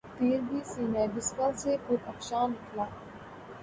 تیر بھی سینۂ بسمل سے پرافشاں نکلا